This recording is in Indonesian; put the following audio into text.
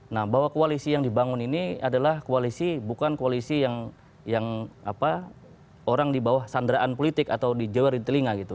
nah bahwa koalisi yang dibangun ini adalah koalisi bukan koalisi yang orang di bawah sandraan politik atau di jawa di telinga gitu